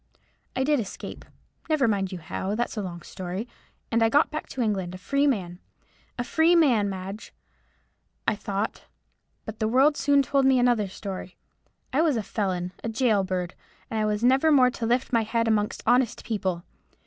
I did escape,—never you mind how, that's a long story,—and I got back to England, a free man; a free man, Madge, I thought; but the world soon told me another story. I was a felon, a gaol bird; and I was never more to lift my head amongst honest people.